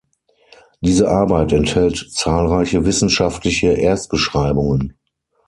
Diese Arbeit enthält zahlreiche wissenschaftliche Erstbeschreibungen.